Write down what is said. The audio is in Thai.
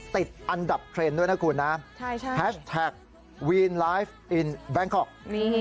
ติดอันดับเทรนด์ด้วยนะคุณนะใช่ใช่แฮชแท็กวีนไลฟ์อินแวงก็อกซ์นี่